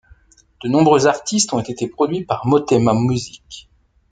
De nombreux artistes ont été produits par Motéma Music.